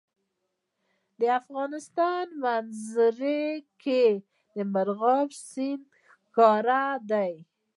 د افغانستان په منظره کې مورغاب سیند ښکاره دی.